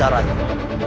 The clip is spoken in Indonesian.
dan raden kiansanta